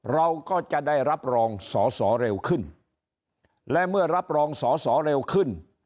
เราก็จะได้รับรองสอสอเร็วขึ้นและเมื่อรับรองสอสอเร็วขึ้น